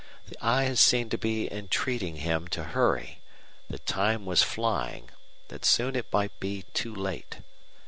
The eyes seemed to be entreating him to hurry, that time was flying, that soon it might be too late.